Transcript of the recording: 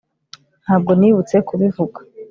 ntabwo nibutse kubivuga